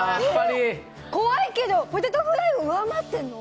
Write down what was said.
怖いけどポテトフライを上回ってるの？